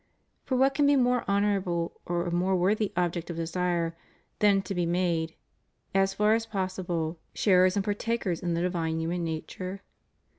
For what can be more honorable or a more worthy object of desire than to be made, as far as possible, sharers and partakers in the divine nature?